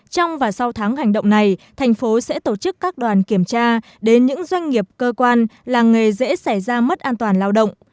trong và sau tháng hành động này thành phố sẽ tổ chức các đoàn kiểm tra đến những doanh nghiệp cơ quan làng nghề dễ xảy ra mất an toàn lao động